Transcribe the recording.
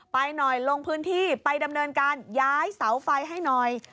ไปหน่อยลงพื้นที่ไปดำเนินการย้ายสาธิประโยชน์ให้หน่อย